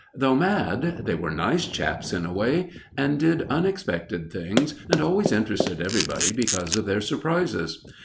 Though mad, they were nice chaps in a way, and did unexpected things and always interested everybody because of their surprises.